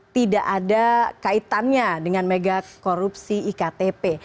tidak ada kaitannya dengan mega korupsi iktp